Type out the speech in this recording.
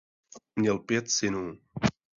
Měl pět synů.